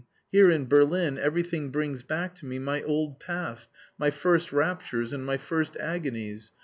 Here, in Berlin, everything brings back to me my old past, my first raptures and my first agonies.